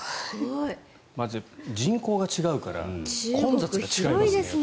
まず、人口が違うから混雑が違いますね。